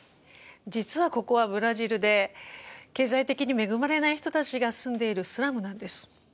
実はここはブラジルで経済的に恵まれない人たちが住んでいるスラムなんです。